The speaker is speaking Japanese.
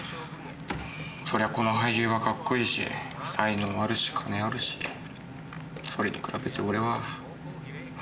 そりゃこの俳優はかっこいいし才能あるし金あるしそれに比べて俺は。